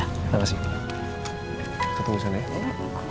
kok duduk sih mas aku pengen ngeliatin